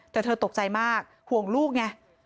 แต่เธอตกใจมากห่วงลูกไง